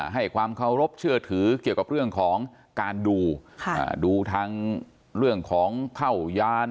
ให้ความเคารพเชื่อถือเกี่ยวกับเรื่องของการดูดูทั้งเรื่องของเข้ายาน